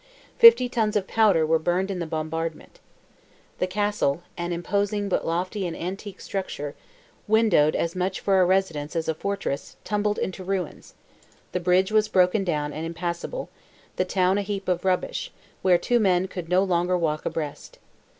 Fifty tons of powder were burned in the bombardment. The castle, an imposing but lofty and antique structure, windowed as much for a residence as a fortress, tumbled into ruins; the bridge was broken down and impassable; the town a heap of rubbish, where two men could no longer walk abreast.